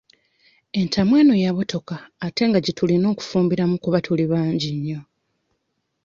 Entamu eno yabotoka ate gye tulina okufumbiramu kuba tuli bangi nnyo.